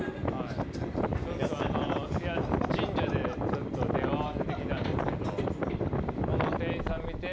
神社で手を合わせてきたんですけど。